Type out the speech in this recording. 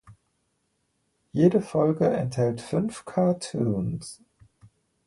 Jede Folge enthält fünf Cartoons.